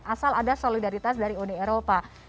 asal ada solidaritas dari uni eropa